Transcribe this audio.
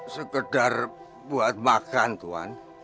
sekedar buat makan tuhan